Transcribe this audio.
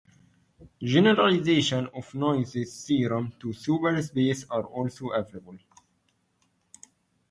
Generalizations of Noether's theorem to superspaces are also available.